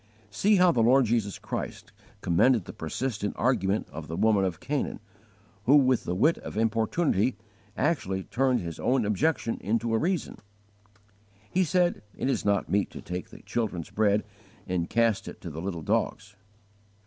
See how the Lord Jesus Christ commended the persistent argument of the woman of Canaan, who with the wit of importunity actually turned his own objection into a reason. He said, "It is not meet to take the children's bread and cast it to the little dogs."